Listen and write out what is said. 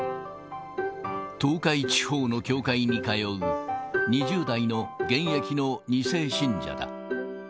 東海地方の教会に通う、２０代の現役の２世信者だ。